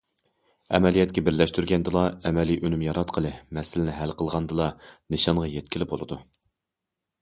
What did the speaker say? ئەمەلىيەتكە بىرلەشتۈرگەندىلا ئەمەلىي ئۈنۈم ياراتقىلى، مەسىلىنى ھەل قىلغاندىلا نىشانغا يەتكىلى بولىدۇ.